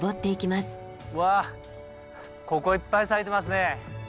うわここいっぱい咲いてますね。